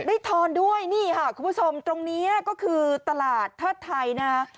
ทอนด้วยนี่ค่ะคุณผู้ชมตรงนี้ก็คือตลาดเทิดไทยนะฮะ